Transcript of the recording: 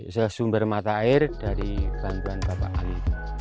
ini adalah sumber mata air dari bantuan bapak ali